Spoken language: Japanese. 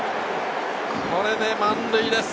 これで満塁です。